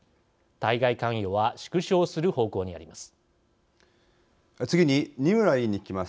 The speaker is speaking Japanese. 対外関与は縮小する方向にあります。